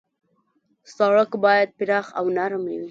سړک باید پراخ او نرم وي.